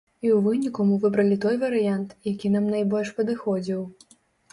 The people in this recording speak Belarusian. І ў выніку мы выбралі той варыянт, які нам найбольш падыходзіў.